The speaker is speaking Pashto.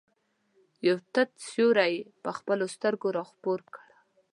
یو تت سیوری یې په خپلو سترګو را خپور کړ.